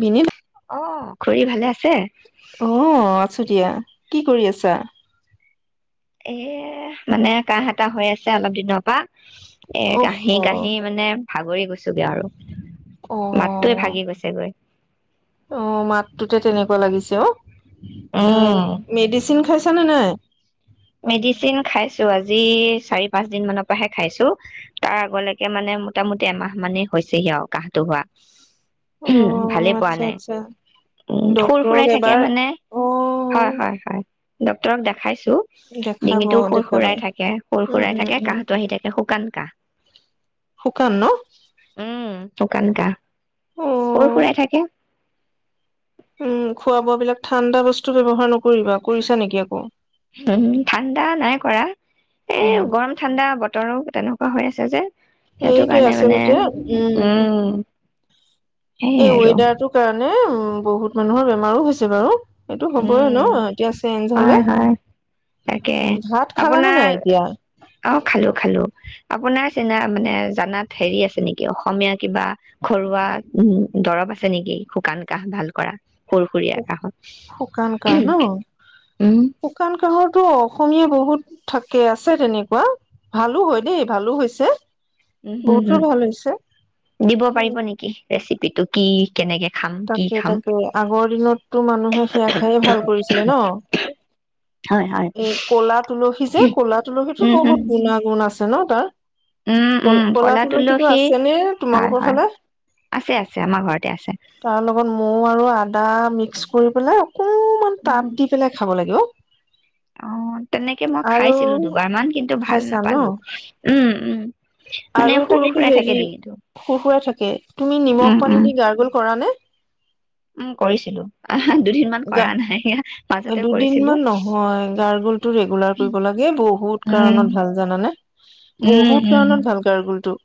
বিনে, অ খুৰী ভালে আছে। অ' আছো দিয়া। কি কৰি আছা। এ মানে কাঁহ এটা হৈ আছে অলপ দিনৰ পৰা। এ অহ কাঁহি কাঁহি অ মানে ভাগৰি গৈছোগে আৰু। অ মাতটোৱে ভাগি গৈছে গৈ। অ', মাতটোতে তেনেকুৱা লাগিছে অ'। এ উম, মেডিচিন খাইছোঁ। আছা না নাই। মেডিচিন খাইছো আজি চাৰি পাঁচ দিন মানৰ পৰাহে খাইছো তাৰ আগলৈকে মানে মোটামোটি এমাহ মানেই হৈছেহি আৰু কাঁহটো হোৱা। অ ভালে পোৱা আচ্ছা নাই আচ্ছা উম, সুৰ ডক্তৰক সুৰাই থাকে এবাৰ মানে অ হয়, হয়, হয়। ডক্তৰক দেখাইছো। দেখাব ডিঙিতটো সুৰ দেখাবা সুৰাই থাকে সুৰ উম সুৰাই উম থাকে উম কাঁহটো আহি থাকে শুকান কাঁহ। শুকান [inaudible] শুকান কাঁহ। অ সুৰ সুৰাই থাকে। উম খোৱা বোৱা বিলাক ঠাণ্ডা বস্তু ব্যৱহাৰ নকৰিবা কৰিছা নেকি আকৌ? উম, ঠাণ্ডা নাই কৰা, এই উম গৰম ঠাণ্ডা বতৰ। তেনেকুৱা হৈ আছে যে। সেইটো এইটো কাৰণে মানে আচলতে উম, সেইয়াই এই আৰু ৱেডাৰটোৰ কাৰণে উ বহুত মানুহৰ বেমাৰো হৈছে বাৰু। এইটো হ'বই উম ন? এতিয়া চেঞ্জ হয় হ'লে হয় তাকে ভাত খালানে আপোনাৰ নাই এতিয়া? অ খালো খালো আপোনাৰ চিনা মানে জানাত হেৰি আছে নেকি? অসমীয়া কিবা ঘৰুৱা উম, দৰব আছে নেকি? শুকান কাহ ভাল কৰা? সুৰ সুৰীয়া কাহত শুকান কাহ ন? উম শুকান কাহৰটো অসমীয়া বহুত থাকে আছে তেনেকুৱা ভালো হয়, দেই ভালো হৈছে। উম, হম, বহুতৰ হম ভাল হৈছে। দিব পাৰিব নেকি ৰেচিপিটো কি? কেনেকে খাম কি তাকে, খাম তাকে আগৰ দিনতটো মানুহে সেয়া খায়ে ভাল কৰিছিলে ন? হয় হয় এই কলা তুলসী যে, ক'লা তুলসীতো উম উম বহুত গুণাগুণ আছ ন তাৰ উম, উম ক'লা তুলসীটো তুলসী আছে নে হয়, তোমালোকৰ হয় ফালে? আছে, আছে আমাৰ ঘৰতে আছে। তাৰ লগত মৌ আৰু আদা মিক্স কৰি পেলাই অকণমান উম টাপ দি পেলাই খাব লাগে হেল্ল' অ তেনেকে মই খাইছিলো দুবাৰ মান কিন্তু ভাল খাইছা ন নাপালো উম উম মানে আৰু এটা সুৰ কিন্তু সুৰাই থাকে হেৰি ডিঙিটো খু খুৰা থাকে তুমি উম নিমখ উম পানী দি গাৰ্গোল কৰা নে উম কৰিছিলো আহ দুদিন মান কৰা নাই গ মাজতে দুদিন কৰিছিলো মান নহয় গাৰ্গোলটো ৰেগুলাৰ উম কৰিব লাগে বহুত কাৰণত ভাল জানানে উম বহুত উম কাৰণত বটোো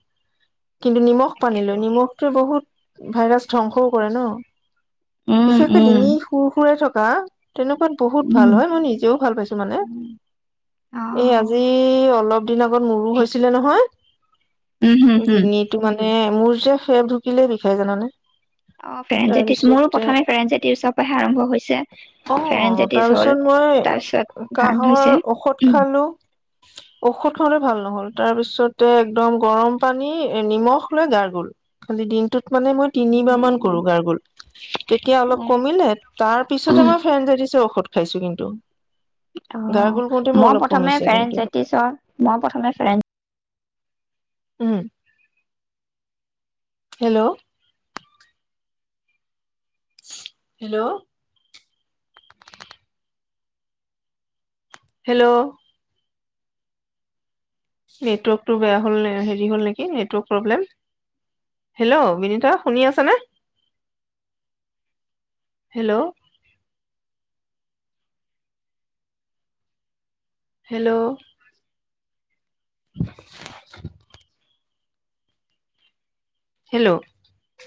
কিন্তু নিমখ তাকেতো পানীিলো নিমখটোৱে বহুত ভাইৰছ ধ্বংসও কৰে ন উম বিশেষকে উম ডিঙি সুৰ সুৰে থক ক তেনেকুৱাত বহুত উম ভাল হয় মই নিজেও ভাল পাইছো মানে অ এই আজি অলপ দিন আগত মোৰো হৈছিলে নহয় উম, হম, হম। এ মোৰ যে ফেৰঢুকিলে বিষাই জানে অ ফেৰেন জেটিছ মোৰো প্ৰথমে ফেৰেন জেটিছৰ পৰাহে আৰম্ভ হৈছে অ ফেৰেন জেটিছ হল তাৰপিছত মই তাৰ পিছত ভাল কাহৰ হৈছে ঔষধ উ খালো তাৰপিছত একদম গৰম পানী এ নিমখ লৈ গাৰ গল খালী দিনটোত মই তিিবো গাৰগলতিয়া অলপ উম কমে তাৰ পিছ উম মই ফে ঔষধ খাইছো কিন্তু অ গাৰ্গল কৰোতে মোৰ মই অলপ প্ৰথমে কমিছে কিন্তু ফাইটিছৰ মই প্ৰথমে ফ উম হেল্ল' হেল্ল' হেল্ল' নেটৱৰ্কটো বেয়া হ'ল হেৰি হ'ল নেকি নেটৱৰ্ক প্ৰব্লেম হেল্ল' বিনীতা শুনি আছেনে হেল্ল' হেল্ল' হেল্ল'